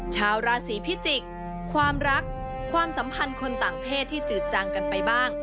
ชาวราศีพิจิกษ์ความรักความสัมพันธ์คนต่างเพศที่จืดจังกันไปบ้าง